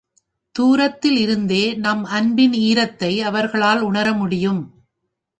தூரத்தில் இருந்தே நம் அன்பின் ஈரத்தை அவர்களால் உணர முடியும்.